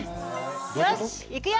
よし行くよ！